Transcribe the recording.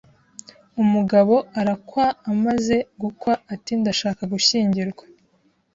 Umugabo arakwaamaze gukwa ati:Ndashaka gushyingirwa